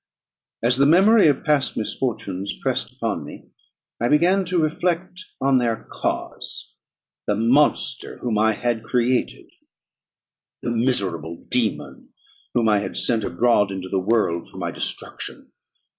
As the memory of past misfortunes pressed upon me, I began to reflect on their cause the monster whom I had created, the miserable dæmon whom I had sent abroad into the world for my destruction.